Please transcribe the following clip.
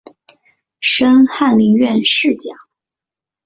升翰林院侍讲。